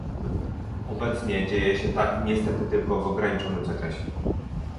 Obecnie dzieje się tak niestety tylko w ograniczonym zakresie